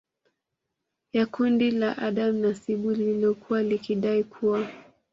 ya kundi la Adam Nasibu lililokuwa likidai kuwa